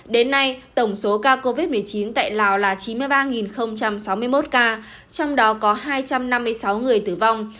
đến nay tổng số ca covid một mươi chín tại lào là chín mươi ba sáu mươi một ca trong đó có hai trăm năm mươi sáu người tử vong